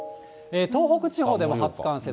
東北地方でも初冠雪。